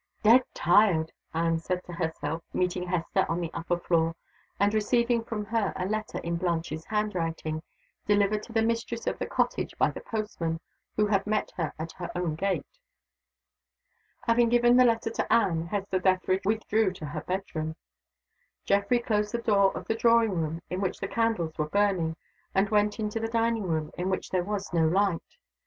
"Dead tired!" Anne said to herself, meeting Hester on the upper floor, and receiving from her a letter in Blanche's handwriting, delivered to the mistress of the cottage by the postman, who had met her at her own gate. Having given the letter to Anne, Hester Dethridge withdrew to her bedroom. Geoffrey closed the door of the drawing room, in which the candles were burning, and went into the dining room, in which there was no light.